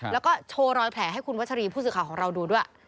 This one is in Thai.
แล้วก็โชว์รอยแผลให้คุณวัชรีผู้สื่อข่าวของเราดูด้วย